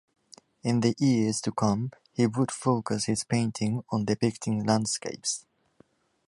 In the years to come he would focus his painting on depicting landscapes.